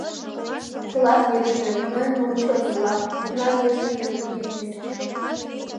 Тылат йыгыжге, а мыйын уло чон йӱла, тунар йӧсӧ йырнык еҥ верч.